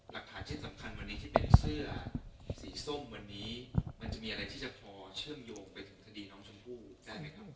หลักฐานชิ้นสำคัญวันนี้ที่เป็นเสื้อสีส้มวันนี้มันจะมีอะไรที่จะพอเชื่อมโยงไปถึงคดีน้องชมพู่ได้ไหมครับ